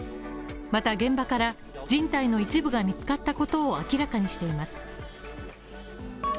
また現場から人体の一部が見つかったことを明らかにしています。